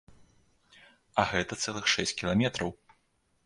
А гэта цэлых шэсць кіламетраў.